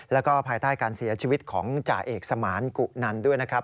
แล้วก็ภายใต้การเสียชีวิตของจ่าเอกสมานกุนันด้วยนะครับ